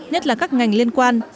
nhất là các ngành liên quan